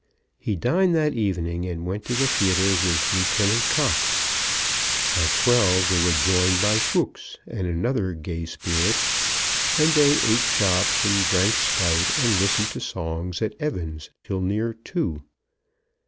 He dined that evening and went to the theatre with Lieutenant Cox. At twelve they were joined by Fooks and another gay spirit, and they eat chops and drank stout and listened to songs at Evans's till near two.